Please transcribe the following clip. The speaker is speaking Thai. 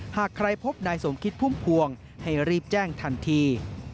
หากใครพบนายสมคิดพุ่มพวงให้รีบแจ้งทันที